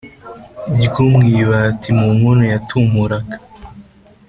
ryomwitabi munkono yatumuraga